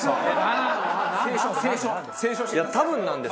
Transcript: なんで？